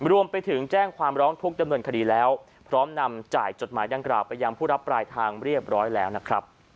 รวมไปถึงแจ้งความร้องทุกข์ดำเนินคดีแล้วพร้อมนำจ่ายจดหมายดังกล่าวไปยังผู้รับปลายทางเรียบร้อยแล้วนะครับ